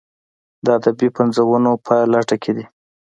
د ادبي پنځونو په لټه کې دي.